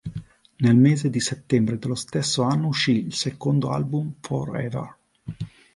Nel mese di settembre dello stesso anno uscì il secondo album "For Ever".